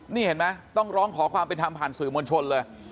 นี่เห็นไหมต้องร้องขอความเป็นธรรมผ่านสื่อมวลชนเลย